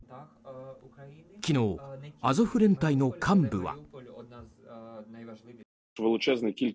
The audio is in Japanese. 昨日、アゾフ連隊の幹部は。